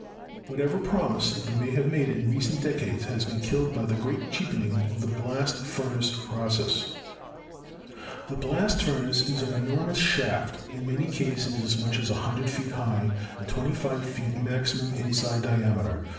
Whatever promise they may have had in recent decades has been killed by the great cheapening of the blast furnace process. The Blast furnace is an enormous shaft, in many cases as MINING AND METALLURGY 293 much as 100 feet high and 25 feet maximum inside diameter.